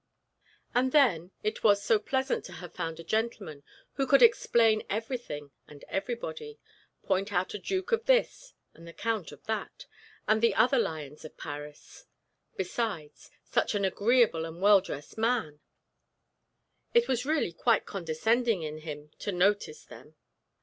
And, then, it was so pleasant to have found a gentleman who could explain everything and everybody; point out the duke of this, and the count that, and the other lions of Paris; besides, such an agreeable and well dressed man; it was really quite condescending in him to notice them!